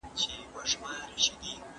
¬ بابا مه گوره، خورجين ئې گوره.